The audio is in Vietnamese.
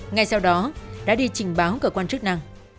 ngay sau đó đã đi trình báo cơ quan chức năng